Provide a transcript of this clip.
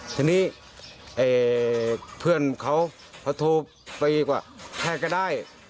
ทีนี้เพื่อนเขาเขาโทรไปกว่าแพทย์ก็ได้